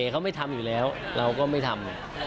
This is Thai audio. เขาไม่ทำอยู่แล้วเราก็ไม่ทำ